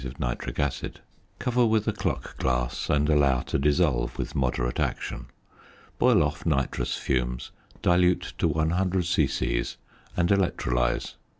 of nitric acid; cover with a clock glass, and allow to dissolve with moderate action; boil off nitrous fumes, dilute to 100 c.c., and electrolyse.